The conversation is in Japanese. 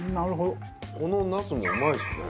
この茄子もうまいですね。